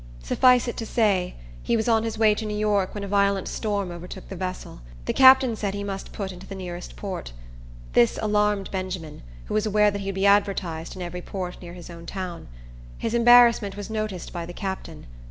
Suffice it to say, he was on his way to New York when a violent storm overtook the vessel. The captain said he must put into the nearest port. This alarmed Benjamin, who was aware that he would be advertised in every port near his own town. His embarrassment was noticed by the captain.